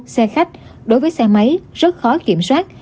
xe khách đối với xe máy rất khó kiểm soát